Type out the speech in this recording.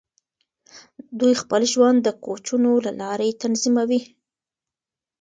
دوی خپل ژوند د کوچونو له لارې تنظیموي.